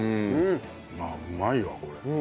ああうまいわこれ。